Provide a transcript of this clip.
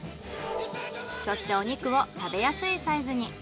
そしてお肉を食べやすいサイズに。